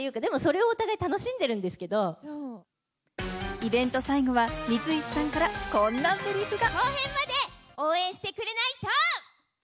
イベント最後には三石さんからこんなセリフが。